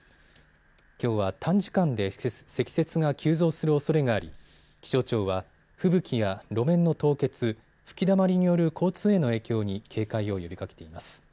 きょうは短時間で積雪が急増するおそれがあり気象庁は吹雪や路面の凍結吹きだまりによる交通への影響に警戒を呼びかけています。